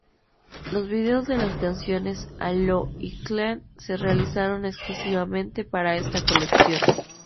Los videos de las canciones "Halo" y "Clean" se realizaron exclusivamente para esta colección.